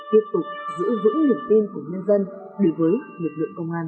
tiếp tục giữ vững niềm tin của nhân dân đối với lực lượng công an